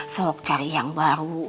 selok cari yang baru